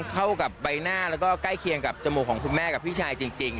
เข้ากับใบหน้าแล้วก็ใกล้เคียงกับจมูกของคุณแม่กับพี่ชายจริง